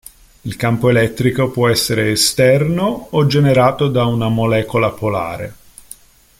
Il campo elettrico può essere esterno o generato da una molecola polare.